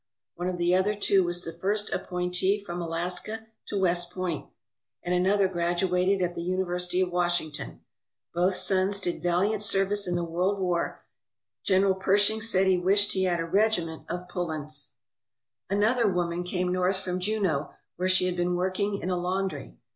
One of the other two was the first appointee from Alaska to West Point, and another graduated at the University of Wash ington, Both sons did valiant service in the World War. General Pershing said he wished he had a regiment of Pullens. 305 ALASKA OUR NORTHERN WONDERLAND Another woman came north from Juneau, where she had been working in a laundry.